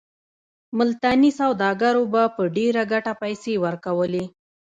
ملتاني سوداګرو به په ډېره ګټه پیسې ورکولې.